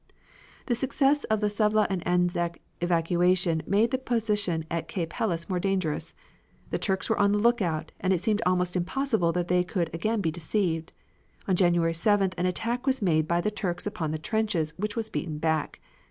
The success of the Suvla and Anzac evacuation made the position at Cape Helles more dangerous. The Turks were on the lookout, and it seemed almost impossible that they could be again deceived. On January 7th an attack was made by the Turks upon the trenches, which was beaten back.